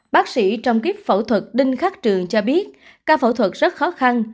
bác sĩ trong clip phẫu thuật đinh khắc trường cho biết ca phẫu thuật rất khó khăn